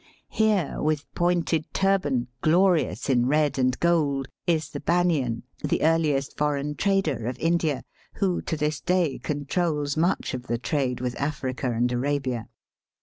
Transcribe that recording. Here, with pointed turban, glorious in red and gold, is the Banian, the earliest foreign trader of India, who to this day €ontrols much of the trade with Africa and Arabia.